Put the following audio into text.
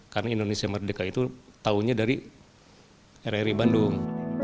karena indonesia merdeka itu tahunya dari rri bandung